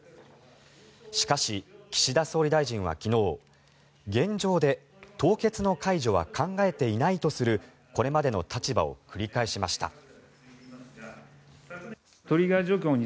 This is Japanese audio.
しかし、岸田総理大臣は昨日現状で凍結の解除は考えていないとするこれまでの立場を繰り返しました。